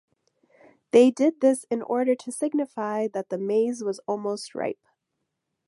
They did this in order to signify that the maize was almost ripe.